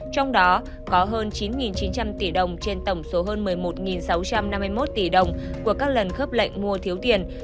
trong đó có hơn chín chín trăm linh tỷ đồng trên tổng số hơn một mươi một sáu trăm năm mươi một tỷ đồng của các lần khớp lệnh mua thiếu tiền